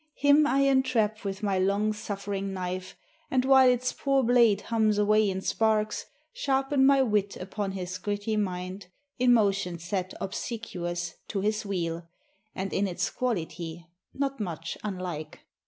Him I entrap with my long suffering knife, And, while its poor blade hums away in sparks, Sharpen my wit upon his gritty mind, In motion set obsequious to his wheel, And in its quality not much unlike.